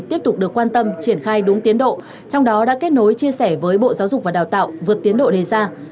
tiếp tục được quan tâm triển khai đúng tiến độ trong đó đã kết nối chia sẻ với bộ giáo dục và đào tạo vượt tiến độ đề ra